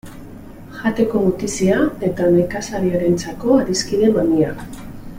Jateko gutizia eta nekazariarentzako adiskide mamia.